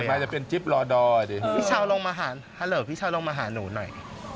เปิดมาจะเป็นจิ๊บลอดอดพี่เช้าลงมาหาหนูหน่อย